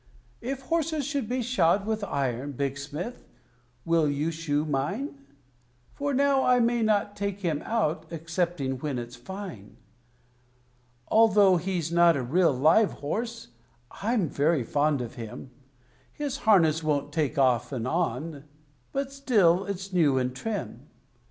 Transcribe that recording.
If horses should be shod with iron, Big Smith, will you shoe mine? For now I may not take him out, excepting when it's fine. Although he's not a real live horse, I'm very fond of him; His harness won't take off and on, but still it's new and trim.